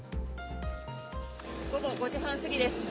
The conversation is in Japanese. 午後５時半すぎです